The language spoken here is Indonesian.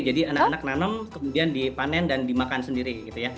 jadi anak anak nanam kemudian dipanen dan dimakan sendiri gitu ya